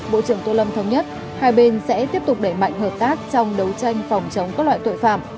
bộ trưởng tô lâm thống nhất hai bên sẽ tiếp tục đẩy mạnh hợp tác trong đấu tranh phòng chống các loại tội phạm